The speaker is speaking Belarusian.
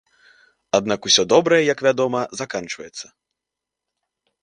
Аднак усё добрае, як вядома, заканчваецца.